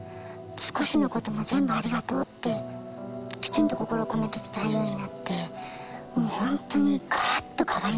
少しのことも全部ありがとうってきちんと心を込めて伝えるようになってもうほんとにガラッと変わりました。